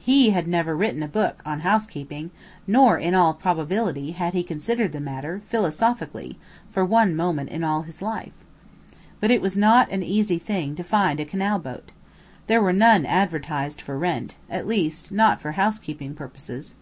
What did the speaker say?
HE had never written a book on housekeeping, nor, in all probability, had he considered the matter, philosophically, for one moment in all his life. But it was not an easy thing to find a canal boat. There were none advertised for rent at least, not for housekeeping purposes.